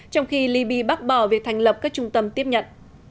trong khi libya bác bỏ việc thành lập các trung tâm tiếp nhận